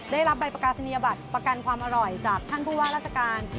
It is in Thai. ได้รับใบประกาศนียบัตรประกันความอร่อยจากท่านผู้ว่าราชการ